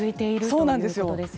そうなんです。